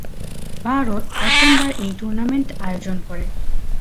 ভারত প্রথমবার এই টুর্নামেন্ট আয়োজন করে।